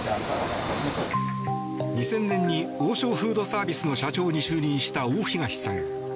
２０００年に王将フードサービスの社長に就任した大東さん。